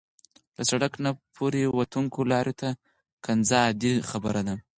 له سړک نه پورې وتونکو لارویو ته کنځا عادي خبره ده.